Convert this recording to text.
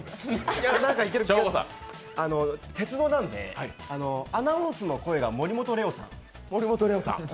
鉄道なんでアナウンスの声が森本レオさん。